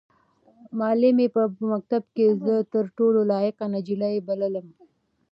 معلمې به په مکتب کې زه تر ټولو لایقه نجلۍ بللم.